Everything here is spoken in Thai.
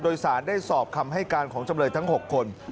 โดยสารได้สอบคำให้การของจำเลยทั้ง๖คน